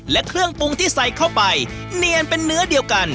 และเครื่องปรุงที่ใส่เข้าไปเนียนเป็นเนื้อเดียวกัน